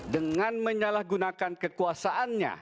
dengan menyalahgunakan kekuasaannya